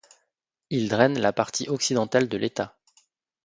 Il draine la partie occidentale de l’État.